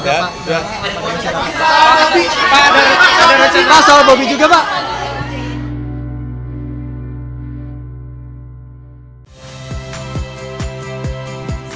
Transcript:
ada open house juga pak